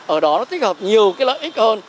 ở đó nó thích hợp nhiều cái lợi ích hơn